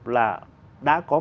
là đã có